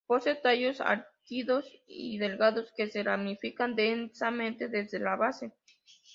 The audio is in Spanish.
Posee tallos erguidos y delgados que se ramifican densamente desde la base.